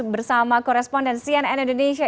bersama koresponden cnn indonesia